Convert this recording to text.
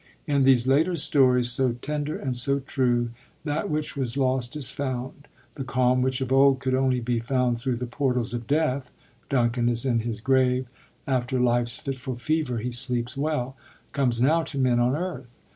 In these later stories, *so tender and so true,* that which was lost is found ; the calni which of old could only be found thru the portals of death {* Duncan is in his grave ; After life's fitful fever, he sleeps well ') comes now to men on earth.